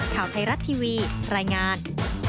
ข่าวไทยรัฐทีวีรายงาน